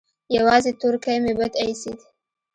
يوازې تورکى مې بد اېسېد.